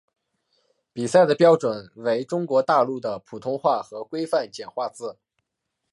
比赛的标准为中国大陆的普通话和规范简化字。